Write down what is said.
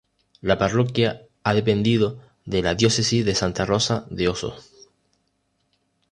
La parroquia ha dependido de la Diócesis de Santa Rosa de Osos.